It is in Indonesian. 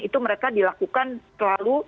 itu mereka dilakukan selalu